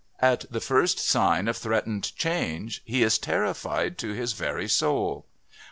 At the first sign of threatened change he is terrified to his very soul.